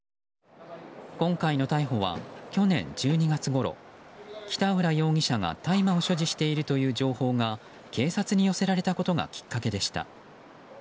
今回の逮捕は、去年１２月ごろ北浦容疑者が大麻を所持しているという情報が警察に寄せられたことがきっかけでした。